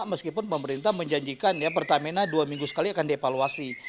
meskipun pemerintah menjanjikan ya pertamina dua minggu sekali akan dievaluasi